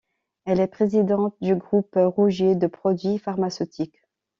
Elle est présidente du Groupe Rougier de produits pharmaceutiques.